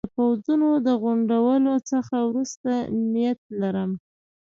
د پوځونو د غونډولو څخه وروسته نیت لري.